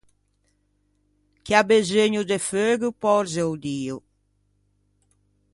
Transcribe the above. Chi à beseugno de feugo pòrze o dio.